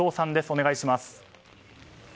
お願いします。